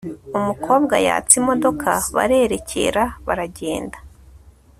umukobwa yatsa imodoka barerekera.baragenda